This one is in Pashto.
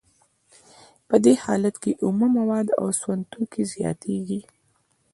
په دې حالت کې اومه مواد او سون توکي زیاتېږي